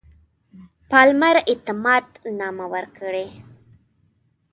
پالمر اعتماد نامه ورکړي.